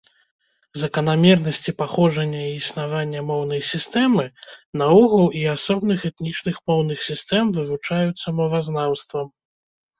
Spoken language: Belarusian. Заканамернасці паходжання і існавання моўнай сістэмы наогул і асобных этнічных моўных сістэм вывучаюцца мовазнаўствам.